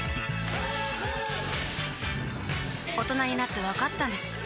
大人になってわかったんです